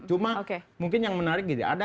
cuma mungkin yang menarik gitu